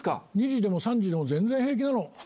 ２時でも３時でも全然平気なの。